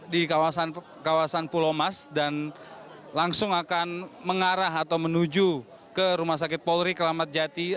di kawasan pulau mas dan langsung akan mengarah atau menuju ke rumah sakit polri keramat jati